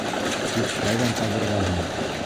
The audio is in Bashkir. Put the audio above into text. Тик ҡайҙан табырға һуң?